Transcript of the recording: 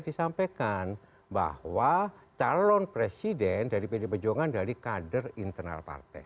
disampaikan bahwa calon presiden dari pd perjuangan dari kader internal partai